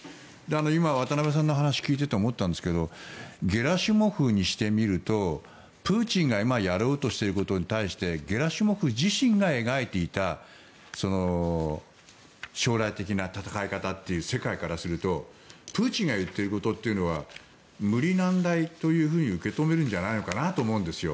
今、渡部さんの話を聞いていて思ったんですがゲラシモフにしてみるとプーチンが今やろうとしていることに対してゲラシモフ自身が描いていた将来的な戦い方っていう世界からするとプーチンが言っていることというのは無理難題というふうに受け止めるんじゃないのかなと思うんですよ。